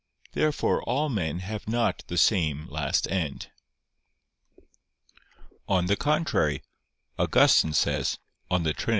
Therefore all men have not the same last end. On the contrary, Augustine says (De Trin.